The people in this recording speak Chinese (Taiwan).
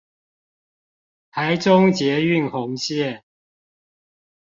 臺中捷運紅線